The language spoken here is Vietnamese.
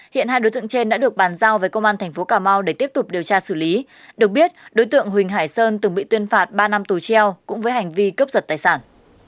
hiện hai đối tượng trên đã được bàn giao với công an tp cà mau để tiếp tục điều tra xử lý được biết đối tượng huỳnh hải sơn từng bị tuyên phạt ba năm tù treo cũng với hành vi cướp giật tài sản